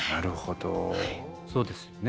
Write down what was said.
そうですよね